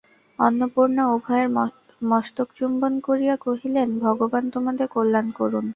অন্নপূর্ণা উভয়ের মস্তকচুম্বন করিয়া কহিলেন, ভগবান তোমাদের কল্যাণ করুন।